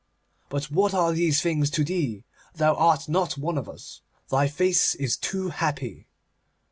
But what are these things to thee? Thou art not one of us. Thy face is too happy.